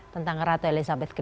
tentang ratu elizabeth ii